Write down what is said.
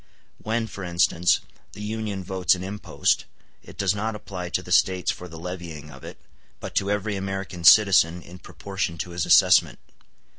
When, for instance, the Union votes an impost, it does not apply to the States for the levying of it, but to every American citizen in proportion to his assessment.